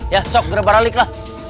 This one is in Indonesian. ya sok gue balik lah